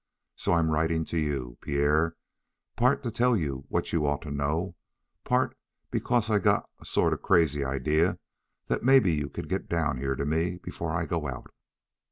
So I'm writing to you, Pierre, part to tell you what you ought to know; part because I got a sort of crazy idea that maybe you could get down here to me before I go out.